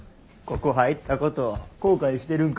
ここ入ったこと後悔してるんか？